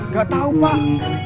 gak tau pak